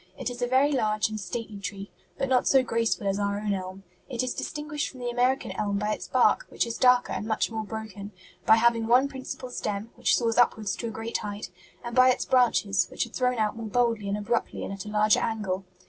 It is a very large and stately tree, but not so graceful as our own elm. It is distinguished from the American elm by its bark, which is darker and much more broken; by having one principal stem, which soars upward to a great height; and by its branches, which are thrown out more boldly and abruptly and at a larger angle.